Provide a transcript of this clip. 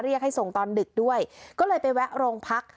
เรียกให้ส่งตอนดึกด้วยก็เลยไปแวะโรงพัก